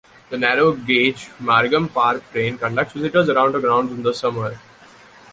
The narrow gauge Margam Park Train conducts visitors around the grounds in the summer.